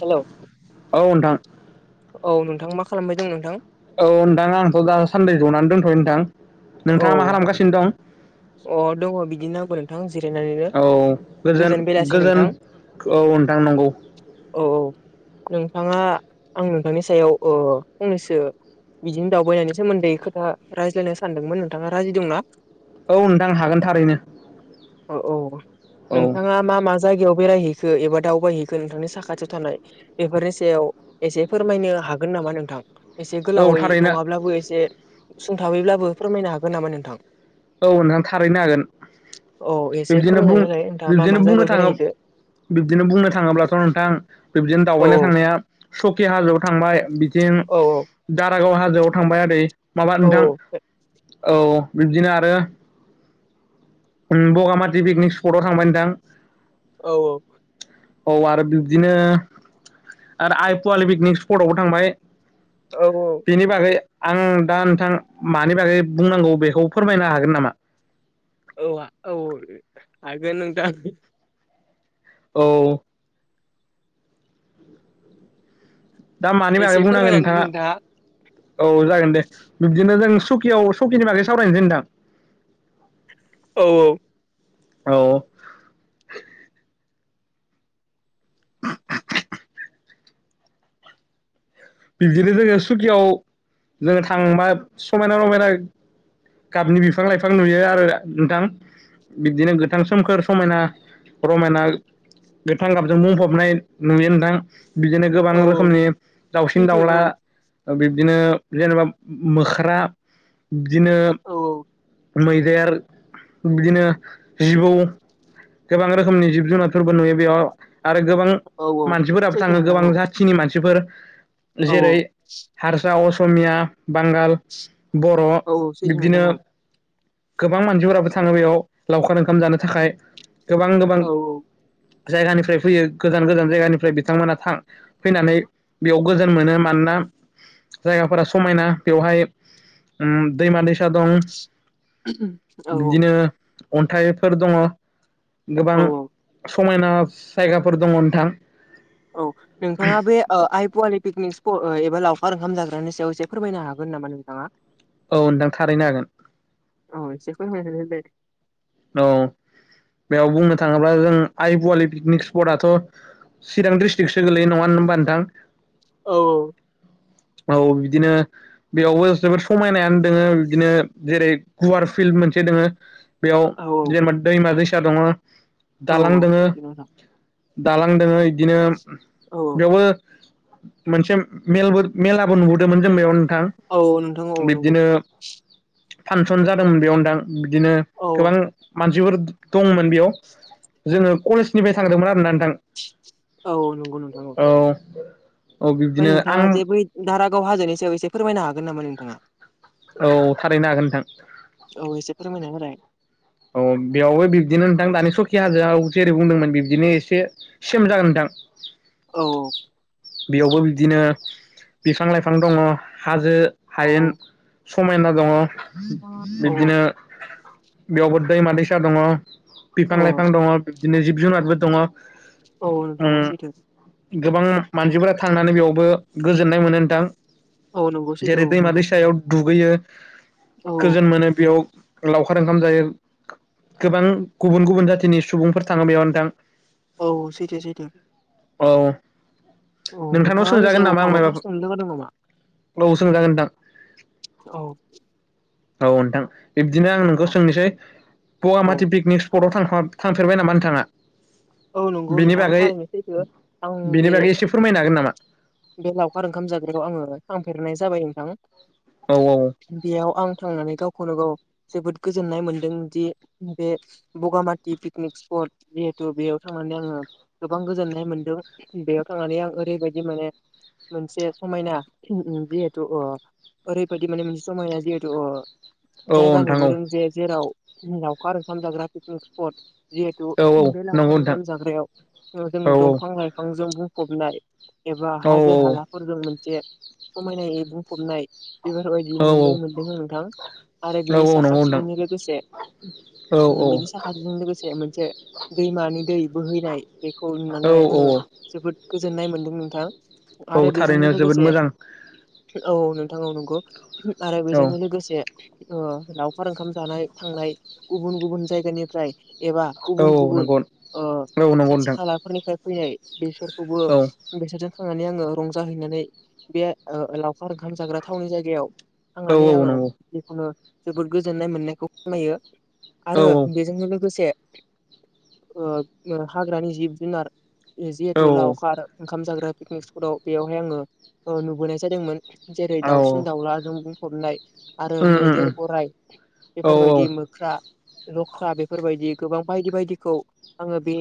हेल'। औ नोंथां औ नोंथां मा खालामबाय दं नोंथां। औ नोंथां आंथ' दासान्दै जनानै दोनथ' नोंथां औ नोंथाङा मा खालामगासिनो दं। अ दङ बिदि नांबो नोंथां जिरायनानैनो। औ गोजोन बेलासि गोजोन नोंथां औ नोंथां नंगौ। औ औ नोंथाङा आं नोंथांनि सायाव फंनैसो। बिदिनो दावबायनायनि सोमोन्दै खोथा रायज्लायनो सानदोंमोन नोंथाङा राजायि दंना। औ नोंथां हागोन थारैनो। औ औ औ नोंथाङा मा मा। जायगायाव बेरायहैखो एबा दावबायहैखो नोंथांनि साखाथियाव थानाय बेफोरनि सायाव एसे फोरमायनो। हागोन नामा नोंथां। एसे औ गोलावै थारैनो नङाब्लाबो एसे सुंथाबैब्लाबो फोरमायनो हागोन नामा नोंथां। औ नोंथां थारैनो हागोन। औ एसे बिब्दिनो बुं फोरमायनानै होलाय नोंथाङा मा मा बिब्दिनो बुंनो जायगायाव थाङो बेरायहैखो बिब्दिनो बुंनो थाङोब्लाथ' नोंथां। बिब्दिनो औ दावबायनो थांनाया सकि हाजोआव थांबाय बिथिं औ औ दारा गाव हाजोआव थांबाय ओरै माबा औ नोंथां औ बिब्दिनो आ रो बगामाथि पिकनिक स्पटआव थांबाय नोंथां औ औ औ आरो बिब्दिनो आरो आइ पवालि पिकनिक स्पटआवबो थांबाय औ बेनि बागै आं दा नोंथां मानि बागै बुंनांगौ बेखौ फोरमायनो हागोन नामा? औ औ हागोन नोंथां औ दा मानि बागै एसे बुंनांगो फोरमायनानै दोन नोंथाङा औ जागोन दे बिब्दिनो जों सकियाव सकिनि बागै सावरायनोसै नोंथां औ औ औ बिबदिनो जोङो सुकियाव जोङो थांबा समायना रमायना गाबनि बिफां लाइफां नुयो आरो नोंथां बिब्दिनो गोथां सोमखोर समायना रमायना गोथां गाबजों बुंफबनाय नुयो नोंथां बिदिनो गोबां औ औ रोखोमनि दाउसिन सैथो औ दाउला बिब्दिनो जेनेबा मोख्रा बिब्दिनो औ मैदेर बिदिनो जिबौ गोबां रोखोमनि जिब जुनारफोरबो नुयो बेयाव आरो गोबां औ औ मानसिफोराबो सैथो थाङो नोंथां गोबां औ जाथिनि मानसिफोर औ जेरै हारसा, असमिया, बांगाल, बर' औ औ सैथो नोंथां बिब्दिनो औ गोबां मानसिफोराबो थाङो बेयाव लावखार ओंखाम जानो थाखाय गोबां गोबां औ जायगानिफ्राय फैयो गोजान गोजान जायगानिफ्राय बिथांमोना थां फैनानै बेयाव गोजोन मोनो मानोना जायगाफोरा समायना बेवहाय ओम दैमा दैसा दं औ औ बिदिनो अन्थाइफोर दङ गोबां औ समायना जायगाफोर दङ नोंथां औ नोंथाङा बे ओ आइ पवालि पिकनिक एबा लावखार ओंखाम जाग्रानि सायाव एसे फोरमायनो हागोन नामा नोंथाङा? औ नोंथां थारैनो हागोन औ एसे फोरमायना होलाय औ बेयाव बुंनो थाङोब्ला जों आइ पवालि पिकनिक स्पटाथ' चिरां डिस्ट्रिक्टसो गोलैयो नङा होमबा नोंथां औ औ बिदिनो बेयावबो जोबोद समायनायानो दोङो बिब्दिनो जेरै गुवार फिल्ड मोनसे दोङो बेयाव औ जेनेबा दैमा दैसा दङ औ दालां औ दोङो फ्रिथिनो मोजां दालां दोङो इदिनो औ बेयावबो मोनसे मेलबो मेलाबो नुबोदोंमोन जों बेयाव थां औ औ नोंथां औ नंगौ बिब्दिनो फानसन जादोंमोन बेयाव नोंथां बिदिनो औ गोबां मानसिफोर दंमोन बेयाव जोङो कलेजनिफ्राय थांदोंमोन आरोना नोंथां औ औ औ फ्राय बिब्दिनो आं नोंथाङा जे बै दारागाव हाजोनि सायाव एसे फोरमायनो हागोन नामा नोंथाङा औ थारैनो हागोन नोंथां औ एसे फोरमायना होलाय औ बेयावबो बिब्दिनो नोंथां दानि सखि हाजोआव जेरै बुंदोंमोन बिब्दिनो एसे सेम जागोन नोंथां औ औ बेयावबो बिदिनो बिफां लाइफां दङ हाजो औ हायेन समायना दङ औ औ बिब्दिनो बेयावबो दैमा दैसा दङ औ बिफां लाइफां दङ बिदिनो जिब जुनारबो दङ औ थानोंथां औ उम सैथो गोबां मानसिफोरा थांनानै बेयावबो गोजोननाय मोनो नोंथां औ नंगौ [inaudible] सैथो जेरै औ दैमा दै नोंथां सायाव दुगैयो औ गोजोन मोनो बेयाव लावखार ओंं खाम जायो गोबां गुबुन गुबुन जाथिनि सुबुंफोर थाङो बेयाव नोंथां औ सैथो सैथो औ औ नोंथांनाव नोंथाङा आंनि सोंजागोन सायाव नामा आं माबाफोर सोंनो लुगैदों नामा? मायबाफोर औ सोंजागोन नोंथां औ औ नोंथां बिब्दिनो आं नोंखौ औ सोंनिसै औ पवामाथि पिकनिक स्पटआव थां थांफेरबाय नामा नोंथाङा? औ नंगौ बेनि नोंथां बागै थारैनो नोसैथो आं बेनि बे बागै एसे फोरमायनो हागोन नामा बे लावखार ओंखाम जाग्रायाव आङो थांफेरनाय जाबाय औ नोंथां बेयाव आं थांनानै गावखौनो गाव जोबोद गोजोननाय मोन्दों दि बे बगामाथि पिकनिक स्पट [unintelligible] जिहेतु बेयाव थांनानै आङो गोबां गोजोननाय मोनदों बेयाव थांनानै आं ओरैबायदि माने मोनसे समायना जिहेथु अ ओरैबायदि माने मोनसे समायना जिहेतु ओ औ औ जायगा नोंथां औ नुबोदों जे जेराव लावखार ओंखाम जाग्रा पिकनिक स्पट जिहेथु औ औ बे नंगौ लावखार नोंथां ओंखाम जाग्रायाव ओ जोङो औ दंफां लाइफांजों बुं फबनाय एबा औ हाजो हालाफोरजों मोनसे समायनायै बुंफबनाय बिभार अइदि औ नुनो मोनदों आं नोंथां आरो बिनि औ नंगौ नोंथां साखाथिजोंनो लोगोसे औ ओ बिनि साखाथिजों लोगोसे मोनसे दैमानि दै बोहैनाय बेखौ औ नुनानै औ आङो जोबोद गोजोननाय मोनदों नोंथां औ आरो बेजोंनो थारैनो जोबोद लोगोसे मोजां औ नोंथां औ नंगौ आरो औ बेजोंनो लोगोसे ओ लावखार ओंखाम जानाय थांनाय गुबुन गुबुन जायगानिफ्राय एबा औ गुबुन औ गुबुन नंगौ ओ औ नंगौ खाथि नोंथां खालाफोरनिफ्राय फैनाय बेसोर खौबो औ बेसोरजों थांनानै आङो रंजाहैनानै बे ओ लावखार ओंखाम जाग्रा थावनि जायगायाव औ थांनानै औ आङो नंगौ जिखुनु जोबोद गोजोननाय मोननायखौ फोरमायो औ आरो बेजोंनो लोगोसे ओ हाग्रानि जिब जुनार औ औ जिहेथु लावखार ओंखाम जाग्रा पिकनिक स्पटाव बेयावहाय आङो ओ नुबोनाय जादोंमोन। जेरै औ औ दाउसिन दाउलाजों बुंफबनाय आरो उम उम मैदेर उम गराइ औ बेफोरबायदि मोख्रा लख्रा बेफोरबायदि गोबां बायदि बायदिखौ आङो बे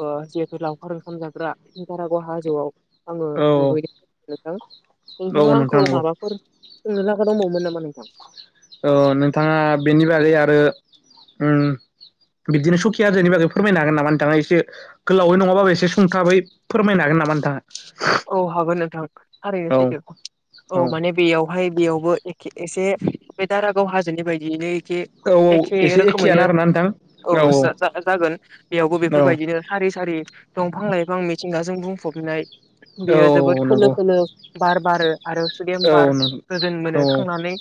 ओ जिहेतु लावखार ओंखाम जाग्रा दारागव हाजोआव आङो औ नुहैदों नथां नोंथाङा औ नोंथां आंखौ नंगौ माबाफोर सोंनो लागा दंबावोमोन नामा नोंथां? ओ नोंथाङा बेनि बागै आरो उम बिदिनो सखि जजायनि बागै फोरमायनो हागोन नामा नोंथाङा एसे गोलावै नङाबाबो एसे सुंथाबै फोरमायनो हागोन नामा नोंथाङा? औ हागोन नोंथां थारैनो औ सैथो औ माने बेयाव बाहाय बेयावबो एखे एसे बे दारागाव हाजोनि बायदियैनो खे औ एखे एसे एखेयानो रोखोमैनो आरोना नोंथां औ जा जा जागोनगोन बेयावबो औ बेफोरबायदिनो सारि सारि दंफां लाइ गोबां मिथिंगाजों बुंफबनाय औ बियो जोबोद खोलो नंगौ खोलो बार बारो आरो सुदेम औ बार गोजोन औ मोनो थांनानै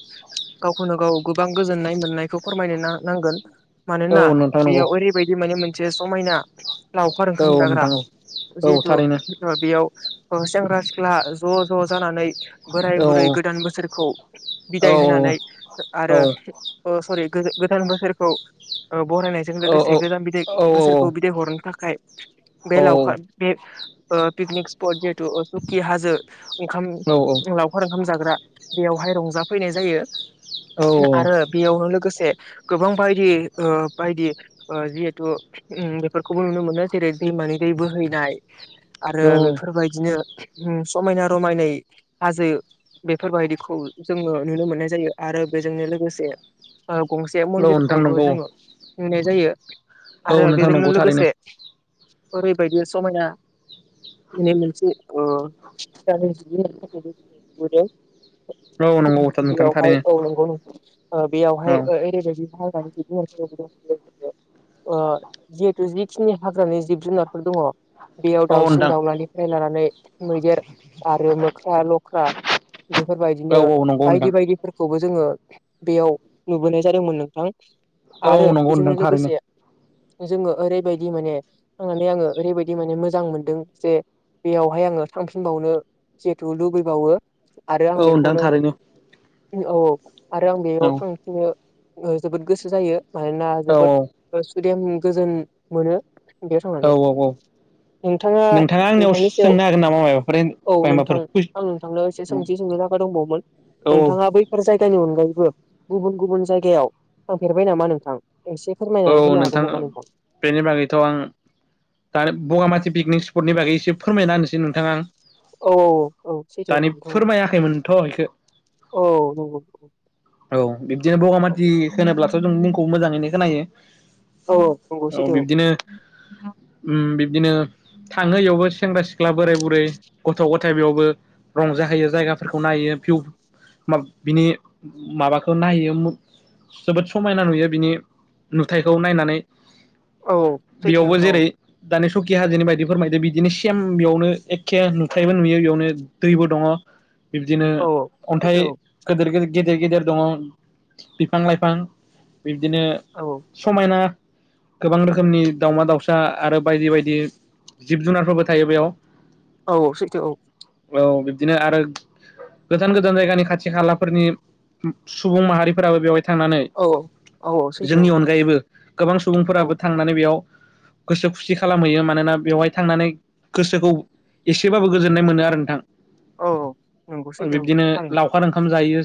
गावखौनो गाव गोबां गोजोननाय मोननायखौ फोरमायनो नांगोन औ मानोना नोंथां नंगौ बेयाव ओरैबायदि माने मोनसे समायना लावखार औ ओंखाम जाग्रा नोंथां औ औ जिहेथु थारैनो बेयाव सेंग्रा सिख्ला ज' ज' जानानै बोराय औ बुरै गोदान बोसोरखौ औ बिदाय होनानै औ आरो सरि गो गोदान बोसोरखौ बरायनायजों औ लोगोसे गोदान बिदै बोसोरखौ बिदाय हरनो थाखाय बे औ लावखार बे ओ पिकनिक स्पट जिहेतु अ सुकि हाजो ओंखाम लावखार ओंखाम जाग्रा बेयावहाय रंजाफैनाय जायो। औ आरो बेयावनो लोगोसे गोबां बायदि ओ बायदि ओ जिहेथु ओम बेफोरखौबो नुनो मोनो जेरै दै मानि दै बोहैनाय आरो औ बेफोरबायदिनो समायना रमायनायै हाजो बेफोरबायदिखौ जोङो नुनो मोनो मोननाय जायो आरो बेजोंनो लोगोसे गंसे नोंथां मन्दिरखौबो नंगौ जोङो नुनाय जायो। औ आरो नोंथां बेजोंनो नंगौ थारैनो लोगोसे ओरैबायदि समायना बिनो मोनसे औ नंगौ [unintelligible] नोंथां बेयावहाय थारैनो औ नंगौ नोंथां औ बेयावहाय ओरैबायदि [unintelligible] ओ जिहेथु जि खिनि हाग्रानि जिब जुनारफोर दङ बेयाव औ दाउसिन नोंथां दावलानिफ्राय लानानै मैदेर आरो मोख्रा लख्रा औ बेफोरबायदिनो औ नंगौ नोंथां बायदि बायदिफोर खौबो जोङो बेयाव नुबोनाय जादोंमोन नोंथां औ आरो नंगौ बेजोंनो नोंथां थारैनो लोगोसे जोङो ओरैबायदि माने थांनानै आङो ओरैबायदि माने मोजां मोनदों जे बेयावहाय आङो थांफिनबावनो जिहेथु लुबैबावो। आरो आं औ नोंथां बेखौनो थारैनो औ औ आरो आं औ बेयाव थांफिनो ओ जोबोद गोसो जायो मानोना औ जोबोद सुदेम गोजोन मोनो। बेयाव औ थांनानै औ औ नोंथाङा आंनियाव नोंथांनि सायाव सोंनो हागोन नामा माबाफोर औ माबाफोर नोंथां आं नोंथांनाव एसे सोंथि सोंनो थाखाय दंबावोमोन। औ नोंथाङा बैफोर जायगानि अनगायैबो गुबुन गुबुन जायगायाव थांफेरबाय नामा नोंथां? एसे औ फोरमायनानै होनो हागोन नोंथां नामा बेनि बागैथ' आं दानि बगामाथि पिकनिक स्पटनि बागै एसे फोरमायना होनोसै नोंथां आं औ औ सैथो दानि नोंथां औ फोरमायाखैमोनथ' इखो औ नंगौ। औ बिब्दिनो औ बगामाथि होनोब्लाथ' जों मुंखौ मोजाङैनो खोनायो। औ नंगौ औ सैथो बिब्दिनो औ। उम बिब्दिनो थाङो इयावबो सेंग्रा सिख्ला बोराय बुरै गथ' गथ थाय बेयावबो रंजाहैयो जायगाफोरखौ नायो भिउ मा बिनि माबाखौ नायो जोबोद समायना नुयो बिनि नुथायखौ नायनानै औ सैथो बेयावबो नोंथां औ। जेरै दानि सकि हाजोनि बायदि फोरमायदि बिदिनो सेम बेयावनो एखे नुथायबो नुयो बेयावनो दैबो दङ। बिब्दिनो औ अन्थाइ सैथो गोदिर गोदिर गेदेर गेदेर दङ बिफां लाइफां बिब्दिनो औ समायना गोबां रोखोमनि दाउमा दाउसा आरो बायदि बायदि जिब जुनारफोरबो थायो बेयाव। औ औ सैथो औ बिदिनो आरो गोजान गोजान जायगानि खाथि खालाफोरनि सुबुं माहारिफोराबो बेवहाय थांनानै औ औ। सैथो जोंनि अनगायैबो गोबां औ सुबुंफोराबो थांनानै बेयाव गोसो खुसि खालामहैयो मानोना बेवहाय थांनानै गोसोखौ एसेबाबो गोजोननाय मोनो आरो नोंथां औ नंगौ सैथो औ बिब्दिनो थारैनो लावखार ओंखाम जायो।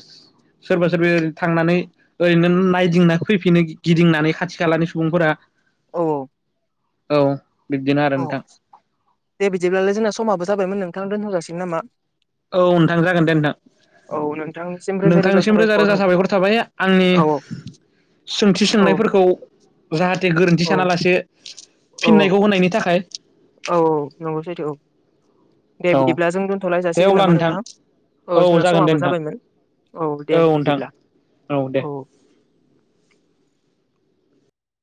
सोरबा सोरबाओर थांनानै ओरैनो नायदिंना फैफिनो गिदिंनानै खाथि खालानि सुबुंफोरा औ औ। औ। बिब्दिनो आरो अ नोंथां दे बिदिब्लालाय जोंना समाबो जाबायमोन नोंथां दोनथरगासिगोन नामा औ नोंथां जागोन दे औ नोंथांनिसिम नोंथां। रोजा नोंथांनिसिम रोजा रोजा औ साबायखर थाबाय आंनि औ सोंथि औ सोंनायफोरखौ जाहाथे जाहाथे गोरोन्थि औ सानालासे औ फिननायखौ होनायनि थाखाय औ औ नंगौ सैथो औ दे औ बिदिब्ला जों दोन्थ'लाय दे जासिगोन अब्ला नामा नोंथां औ जोंना जागोन दे समाबो नोंथां जाबायमोन औ दे बिदिब्ला। औ दे।